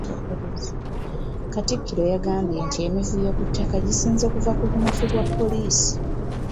Katikkiro yagambye nti emivuyo ku ttaka gisinze kuva ku bunafu bwa poliisi.